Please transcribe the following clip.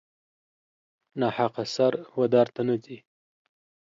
ناحقه سر و دار ته نه ځي.